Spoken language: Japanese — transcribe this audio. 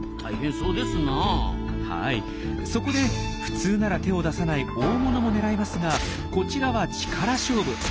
そこで普通なら手を出さない大物も狙いますがこちらは力勝負。